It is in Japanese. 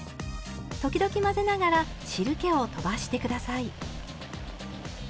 時々混ぜながら汁けをとばして下さい。